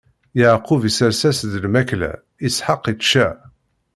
Yeɛqub isers-as-d lmakla, Isḥaq ičča.